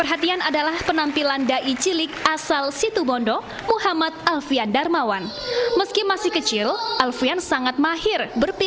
hari santri nasional